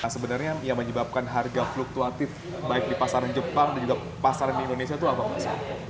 sebenarnya yang menyebabkan harga fluktuatif baik di pasaran jepang dan juga pasaran di indonesia itu apa mas